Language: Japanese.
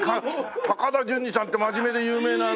高田純次さんって真面目で有名なねえ。